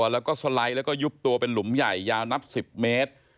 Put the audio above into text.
แล้วก็สไลด์แล้วก็ยุบตัวเป็นหลุมใหญ่ยาวนับ๑๐เมตร